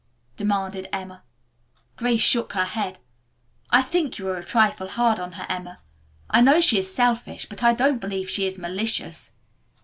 demanded Emma. Grace shook her head. "I think you are a trifle hard on her, Emma. I know she is selfish, but I don't believe she is malicious."